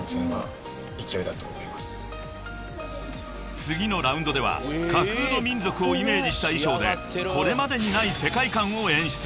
［次のラウンドでは架空の民族をイメージした衣装でこれまでにない世界観を演出］